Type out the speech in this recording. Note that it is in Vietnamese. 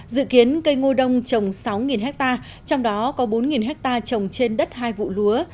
dự kiến cây ngô đông trồng sáu ha trong đó có bốn ha trồng trên đất hai vụ lúa